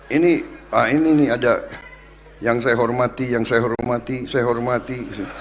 ini nih ada yang saya hormati yang saya hormati saya hormati